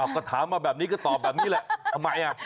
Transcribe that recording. ก็ถามมาแบบนี้ก็ตอบแบบนี้แหละทำไม